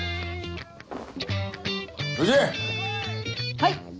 はい！